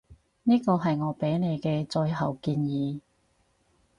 呢個係我畀你嘅最後建議